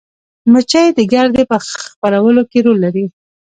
مچۍ د ګردې په خپرولو کې رول لري